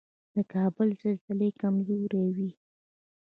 د کابل زلزلې کمزورې وي